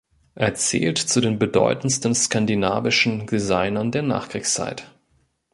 Er zählt zu den bedeutendsten skandinavischen Designern der Nachkriegszeit.